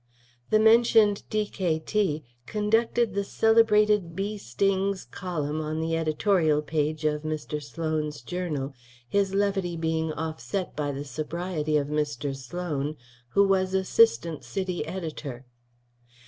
The mentioned D.K.T. conducted the celebrated "Bee Stings" column on the editorial page of Mr. Sloan's journal, his levity being offset by the sobriety of Mr. Sloan, who was assistant city editor.